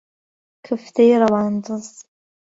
کفتەی ڕەواندز